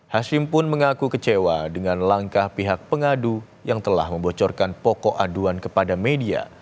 hashim pun mengaku kecewa dengan langkah pihak pengadu yang telah membocorkan pokok aduan kepada media